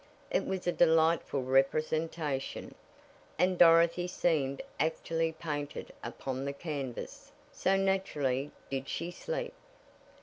It was a delightful representation, and Dorothy seemed actually painted upon the canvas, so naturally did she sleep.